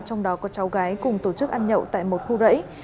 trong đó có cháu gái cùng tổ chức ăn nhậu tại một khu rẫy